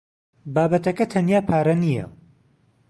بابەتەکە تەنیا پارە نییە.